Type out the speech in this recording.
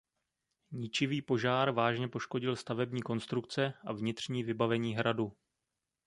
Ničivý požár vážně poškodil stavební konstrukce a vnitřní vybavení hradu.